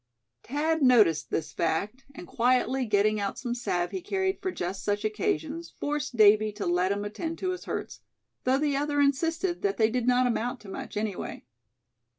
Thad noticed this fact, and quietly getting out some salve he carried for just such occasions forced Davy to let him attend to his hurts, though the other insisted that they "did not amount to much, anyway."